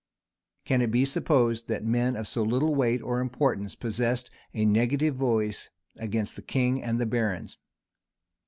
Can it be supposed that men of so little weight or importance possessed a negative voice against the king and the barons?